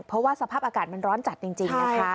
เพราะว่าสภาพอากาศมันร้อนจัดจริงนะคะ